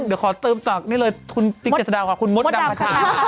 เดี๋ยวขอเติมกับนี่เลยคุณติ๊กเจษฎาค่ะคุณมดดังค่ะ